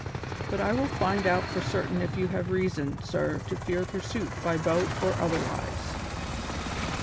But I will find out for certain if you have reason, sir, to fear pursuit by boat or otherwise."